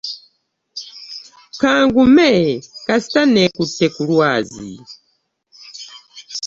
Kangume kasita nekutte ku lwazi.